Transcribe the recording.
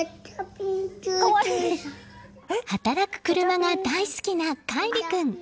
働く車が大好きなカイリ君。